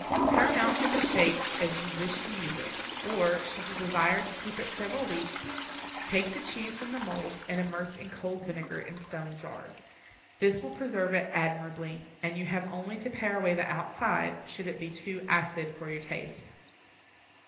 Turn out from the shapes as you wish to use it; or, should you desire to keep it several weeks, take the cheese from the moulds and immerse in cold vinegar in stone jars. This will preserve it admirably, and you have only to pare away the outside, should it be too acid for your taste.